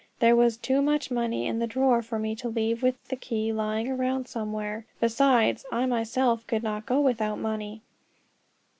There was too much money in the drawer for me to leave with the key lying around somewhere; besides, I myself could not go without money.